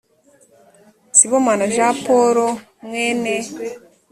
sibomana jean paul mwene